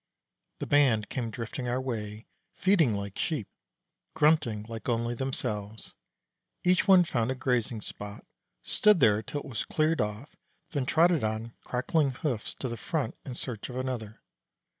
The band came drifting our way, feeding like Sheep, grunting like only themselves. Each one found a grazing spot, stood there till it was cleared off, then trotted on crackling hoofs to the front in search of another.